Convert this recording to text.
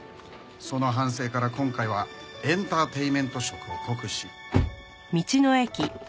その反省から今回はエンターテインメント色を濃くし。